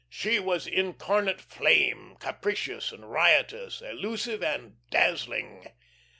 She was incarnate flame, capricious and riotous, elusive and dazzling.